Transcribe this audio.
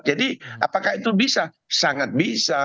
jadi apakah itu bisa sangat bisa